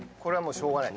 しょうがない。